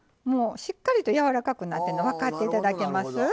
もうしっかりと柔らかくなってるの分かって頂けます？